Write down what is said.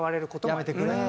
やめてくれ。